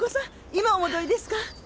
今お戻りですか？